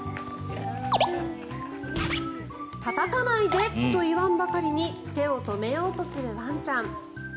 たたかないで！と言わんばかりに手を止めようとするワンちゃん